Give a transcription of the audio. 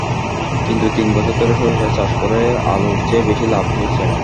কিন্তু তিন বছর ধরে সরিষা চাষ করে আলুর চেয়ে বেশি লাভ হয়েছেন।